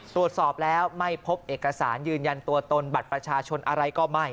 ตรวจสอบแล้วไม่พบเอกสารยืนยันตัวตนบัตรประชาชนอะไรก็ไม่